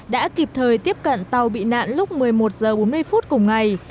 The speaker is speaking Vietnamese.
đã kịp thời tiếp cận tàu bị nạn lúc một mươi một h bốn mươi phút cùng ngày